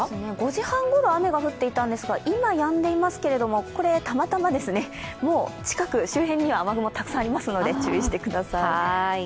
５時半ごろ雨が降っていたんですが、今やんでいますけれども、これはたまたまですね、もう近く、周辺には雨雲たくさんありますので、注意してください。